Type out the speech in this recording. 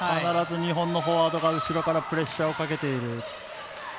必ず日本のフォワードが後ろからプレッシャーをかけている。